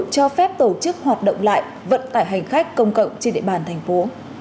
cho phép tổ chức hoạt động lại vận tải hành khách công cộng trên địa bàn thành phố